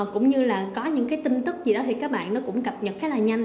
cũng như là có những tin tức gì đó thì các bạn cũng cập nhật khá là nhanh